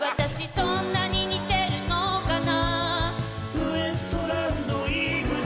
「そんなに似てるのかな」